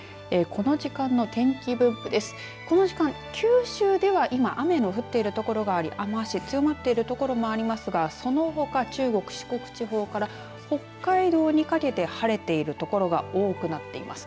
この時間、九州では今雨の降っている所があり雨足強まっている所もありますが、そのほか中国、四国地方から北海道にかけて晴れている所が多くなっています。